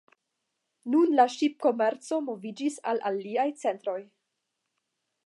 Nun la ŝipkomerco moviĝis al aliaj centroj.